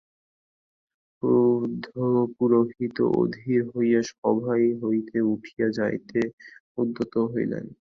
ক্রুদ্ধ পুরোহিত অধীর হইয়া সভা হইতে উঠিয়া যাইতে উদ্যত হইলেন।